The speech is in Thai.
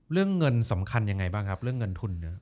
เรื่องเงินสำคัญยังไงบ้างครับเรื่องเงินทุนเนี่ย